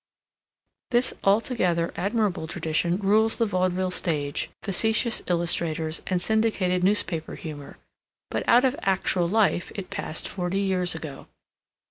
This altogether admirable tradition rules the vaudeville stage, facetious illustrators, and syndicated newspaper humor, but out of actual life it passed forty years ago.